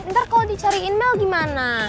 ntar kalau dicariin mel gimana